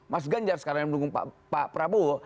mas ganjar sekarang yang mendukung pak prabowo